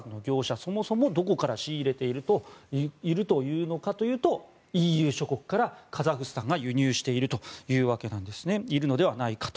そもそもどこから仕入れているのかというとＥＵ諸国からカザフスタンが輸入しているというのではないかと。